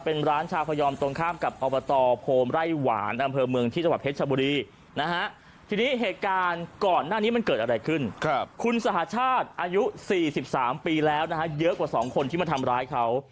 คุณสหชาติอายุสี่สิบสามปีแล้วนะฮะเยอะกว่าสองคนที่มาทำร้ายเขา